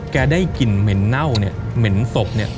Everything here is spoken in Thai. ได้กลิ่นเหม็นเน่าเนี่ยเหม็นศพเนี่ย